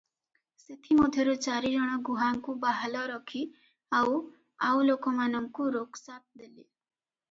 ସେଥିମଧ୍ୟରୁ ଚାରିଜଣ ଗୁହାଙ୍କୁ ବାହାଲ ରଖି ଆଉ ଆଉ ଲୋକମାନଙ୍କୁ ରୋକସାତ୍ ଦେଲେ ।